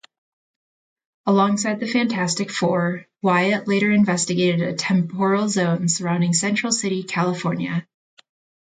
Alongside the Fantastic Four, Wyatt later investigated a temporal zone surrounding Central City, California.